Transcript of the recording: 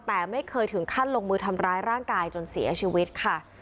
แต่ไม่เคยถึงขั้นลงมือทำร้ายร่างกายจนเสียชีวิตค่ะ